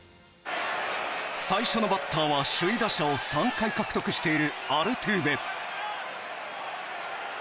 最初のバッターは首位打者を３回獲得しているアルトゥーベ。